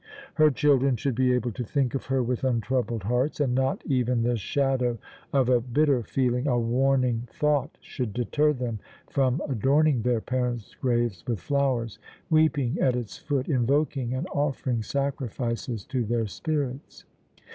Her children should be able to think of her with untroubled hearts, and not even the shadow of a bitter feeling, a warning thought, should deter them from adorning their parents' grave with flowers, weeping at its foot, invoking and offering sacrifices to their spirits.